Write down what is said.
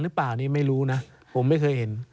หรือเปล่านี่ไม่รู้นะผมไม่เคยเห็น